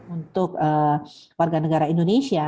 untuk warga negara indonesia